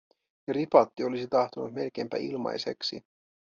Ja Ripatti olisi tahtonut melkeinpä ilmaiseksi.